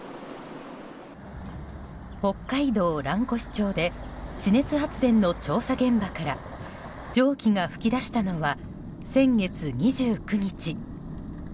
北海道蘭越町で地熱発電の調査現場から蒸気が噴き出したのは先月２９日。